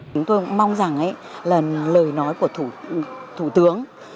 chúng tôi mong rằng lời nói của thủ tướng